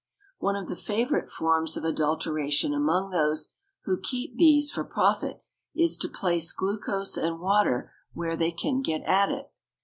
One of the favorite forms of adulteration among those who keep bees for profit is to place glucose and water where they can get at it.